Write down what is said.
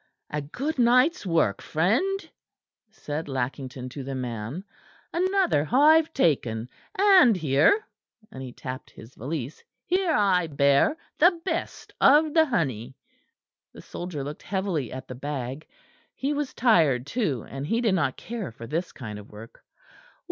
"A good night's work, friend," said Lackington to the man. "Another hive taken, and here" and he tapped his valise "here I bear the best of the honey." The soldier looked heavily at the bag. He was tired too; and he did not care for this kind of work.